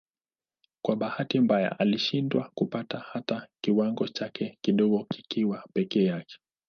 Kwa bahati mbaya alishindwa kupata hata kiwango chake kidogo kikiwa peke yake.